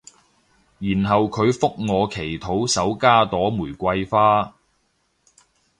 然後佢覆我祈禱手加朵玫瑰花